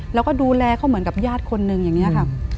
แล้วก็ดูแลเขาเหมือนกับญาติคนนึงอย่างนี้ค่ะ